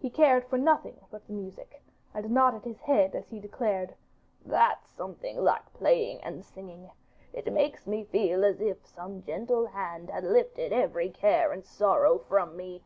He cared for nothing but the music, and nodded his head as he declared, 'That's something like playing and singing. It makes me feel as if some gentle hand had lifted every care and sorrow from me.